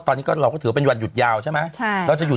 เราก็ถือว่าเป็นวันหยุดยาวใช่มั้ย